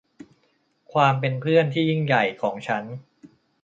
ความเป็นเพื่อนที่ยิ่งใหญ่ของฉัน